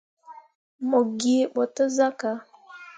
Mo gee ɓo te sah ka.